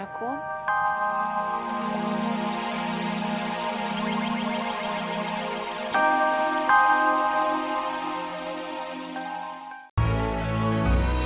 tak mungkin baja